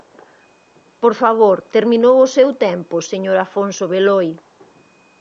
Por favor, terminou o seu tempo, señor Afonso Beloi.